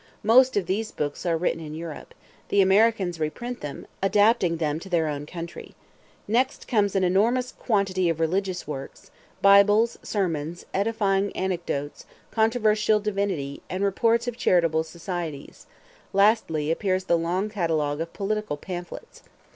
Most of these books are written in Europe; the Americans reprint them, adapting them to their own country. Next comes an enormous quantity of religious works, Bibles, sermons, edifying anecdotes, controversial divinity, and reports of charitable societies; lastly, appears the long catalogue of political pamphlets.